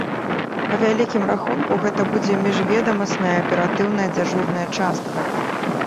Па вялікім рахунку, гэта будзе міжведамасная аператыўная дзяжурная частка.